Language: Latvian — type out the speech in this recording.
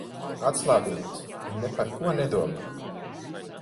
Atslābinies un ne par ko nedomā.